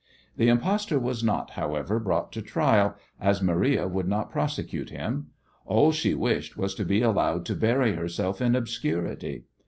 The impostor was not, however, brought to trial, as Maria would not prosecute him. All she wished was to be allowed to bury herself in obscurity.